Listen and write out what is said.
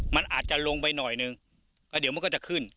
มันอาจจะลงไปหน่อยนึงแล้วเดี๋ยวมันก็จะขึ้น